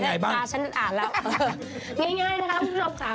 ง่ายนะครับคุณผู้ชมขา